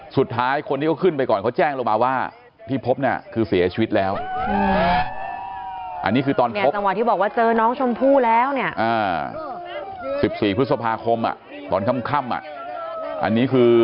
สุดท้ายคนที่ก็ขึ้นไปก่อนเขาแจ้งลงมาว่าพี่พบเนี่ยคือเสียชีวิตแล้ว